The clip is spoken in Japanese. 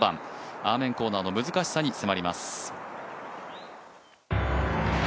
アーメンコーナーの難しさに迫ります。